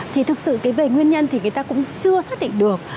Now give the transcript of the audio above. thì thực sự về nguyên nhân thì người ta cũng chưa xác định được